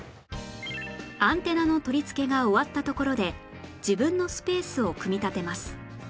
アンテナの取りつけが終わったところで自分のスペースを組み立てます